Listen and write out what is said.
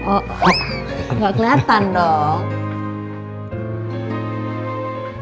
oh gak keliatan dong